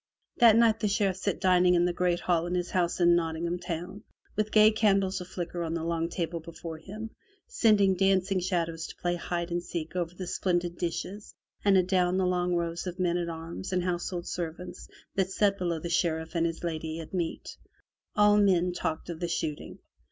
'' That night the Sheriff sat dining in the great hall of his house in Nottingham town, with gay candles a flicker on the long table before him, sending dancing shadows to play hide and seek over the splendid dishes and adown the long rows of men at arms and household servants that sat below the Sheriff and his lady at meat. All men talked of the shooting.